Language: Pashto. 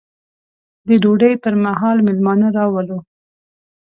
د ډوډۍ پر مهال مېلمانه راولو.